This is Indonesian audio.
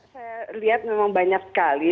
saya lihat memang banyak sekali